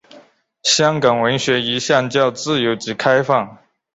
香港文学一向较自由及开放。